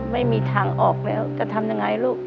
ไม่มีทางออกแล้วจะทำยังไงลูก